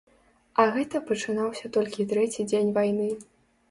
А гэта пачынаўся толькі трэці дзень вайны.